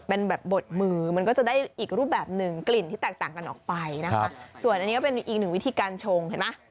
เป็นแบบบดมือมันก็จะได้อีกรูปแบบหนึ่งกลิ่นที่แตกต่างกันออกไปนะคะส่วนอันนี้ก็เป็นอีกหนึ่งวิธีการชงเห็นไหม